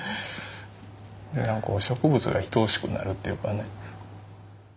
植物がいとおしくなるっていうかね。